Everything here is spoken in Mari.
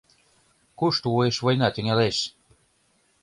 Кушто уэш война тӱҥалеш?